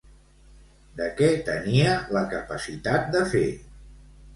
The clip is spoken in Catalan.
De què tenia la capacitat de fer?